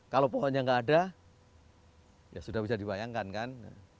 kalau pohonnya nggak ada ya sudah bisa dibayangkan kan